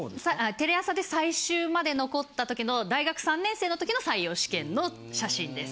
テレ朝で最終まで残った時の大学３年生の時の採用試験の写真です。